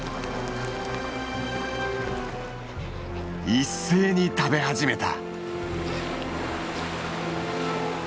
一斉に食べ始めた。